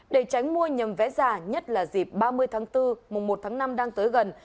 để tránh mua nhầm vé giả nhất là dịp ba mươi tháng bốn mùa một tháng năm đang tới gần